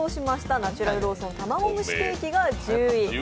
ナチュラルローソンたまごむしケーキが１０位。